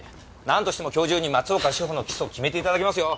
なんとしても今日中に松岡志保の起訴を決めて頂きますよ。